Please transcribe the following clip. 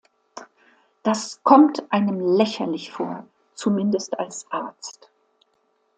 Das kommt einem lächerlich vor, zumindest als Arzt.